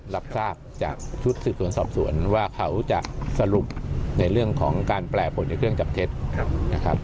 รับทราบจากชุดสืบสวนสอบสวนว่าเขาจะสรุปในเรื่องของการแปลผลในเครื่องจับเท็จนะครับ